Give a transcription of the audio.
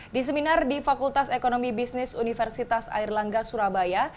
di seminar di fakultas ekonomi bisnis universitas airlangga surabaya